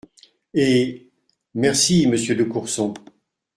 Et… Merci, monsieur de Courson.